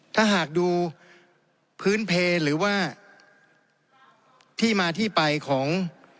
ถ้าหากดูพื้นเพลหรือว่าที่มาที่ไปของ